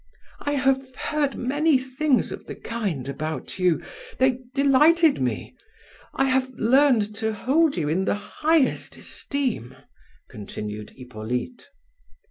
"I have heard many things of the kind about you...they delighted me... I have learned to hold you in the highest esteem," continued Hippolyte.